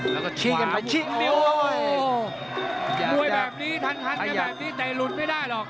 แล้วก็ชิงกันไปโอ้ยมวยแบบนี้ทันทันแบบนี้แต่หลุดไม่ได้หรอก